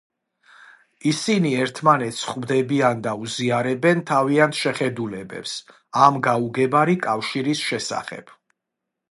ისინი ერთმანეთს ხვდებიან და უზიარებენ თავიანთ შეხედულებებს ამ გაუგებარი კავშირის შესახებ.